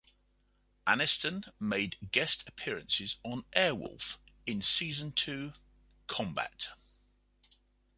Aniston made guest appearances on "Airwolf" in season two, "Combat!